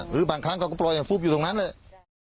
หรือบางครั้งก็ปล่อยอย่างฟุ๊บอยู่ตรงนั้นเลย